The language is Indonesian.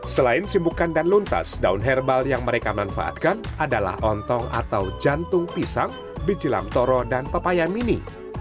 selain simbukan dan luntas daun herbal yang mereka manfaatkan adalah ontong atau jantung pisang biji lamtoro dan pepaya mini